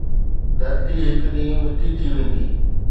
ڌرتي هڪ ڏينهن مٽي ٿي ويندي